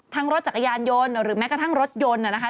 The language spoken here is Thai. ทั้งรถจักรยานยนต์หรือแม้กระทั่งรถยนต์